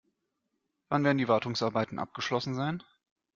Wann werden die Wartungsarbeiten abgeschlossen sein?